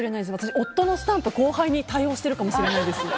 夫のスタンプを後輩に多用してるかもしれないです。